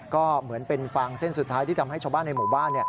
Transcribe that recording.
ก็เหมือนเป็นฟางเส้นสุดท้ายที่ทำให้ชาวบ้านในหมู่บ้าน